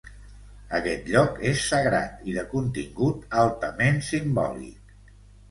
Aquest lloc és sagrat i de contingut altament simbòlic.